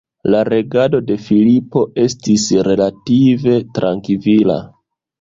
La regado de Filipo estis relative trankvila.